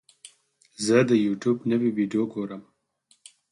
زه د یوټیوب نوې ویډیو ګورم.